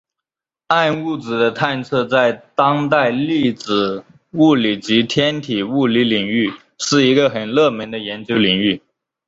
暗物质的探测在当代粒子物理及天体物理领域是一个很热门的研究领域。